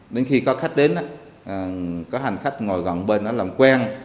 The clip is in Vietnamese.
đến khi có khách đến có hành khách ngồi gần bên đó làm quen